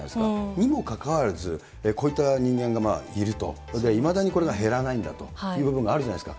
にもかかわらず、こういった人間がいると、それでいまだにこれが減らないんだという部分があるじゃないですか。